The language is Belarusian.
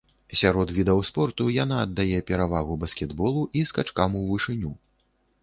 Сярод відаў спорту яна аддае перавагу баскетболу і скачкам у вышыню.